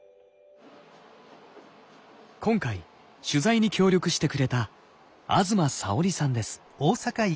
今回取材に協力してくれた東沙織さんです。